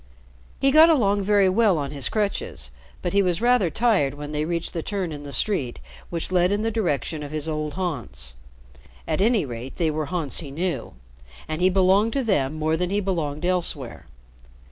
He got along very well on his crutches, but he was rather tired when they reached the turn in the street which led in the direction of his old haunts. At any rate, they were haunts he knew, and he belonged to them more than he belonged elsewhere.